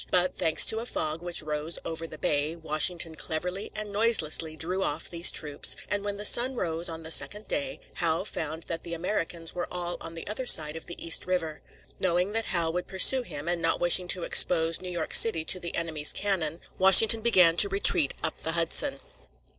But, thanks to a fog which rose over the bay, Washington cleverly and noiselessly drew off these troops, and when the sun rose on the second day, Howe found that the Americans were all on the other side of the East River. Knowing that Howe would pursue him, and not wishing to expose New York city to the enemy's cannon, Washington began to retreat up the Hudson.